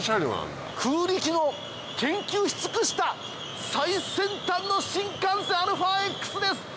空力を研究し尽くした最先端の新幹線ＡＬＦＡ−Ｘです！